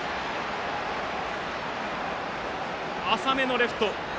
浅めのレフト。